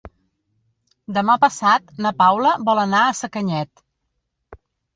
Demà passat na Paula vol anar a Sacanyet.